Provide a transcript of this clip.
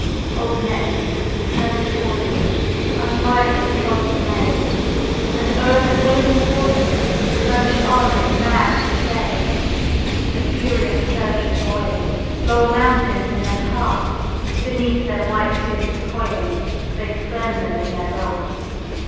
"Old Neptune's snowy coursers Unbridled trode the main, And o'er the foaming waters Plunged on in mad disdain: The furious surges boiling, Roll mountains in their path; Beneath their white hoofs coiling, They spurn them in their wrath.